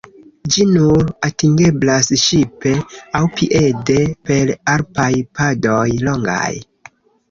Ĝi nur atingeblas ŝipe aŭ piede per alpaj padoj longaj.